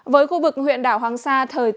với khu vực huyện đảo hoàng sa